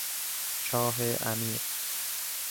چاه عمیق